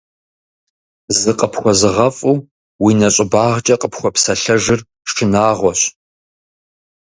ЗыкъыпхуэзыгъэфӀыу уи нэщӀыбагъкӀэ къыпхуэпсэлъэжыр шынагъуэщ.